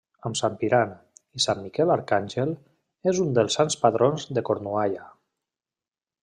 Amb Sant Piran i Sant Miquel Arcàngel, és un dels sants patrons de Cornualla.